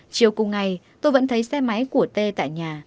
chiều cùng ngày tôi vẫn thấy xe máy của tê tại nhà